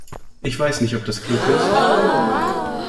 Ich weiß nicht, ob das klug ist.